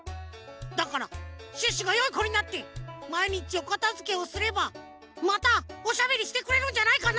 だからシュッシュがよいこになってまいにちおかたづけをすればまたおしゃべりしてくれるんじゃないかな？